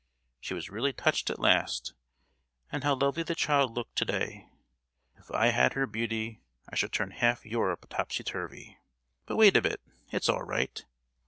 She was really touched at last; and how lovely the child looked to day! If I had her beauty I should turn half Europe topsy turvy. But wait a bit, it's all right.